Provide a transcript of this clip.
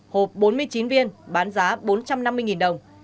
hộp năm mươi viên bán giá từ bốn trăm năm mươi nghìn đồng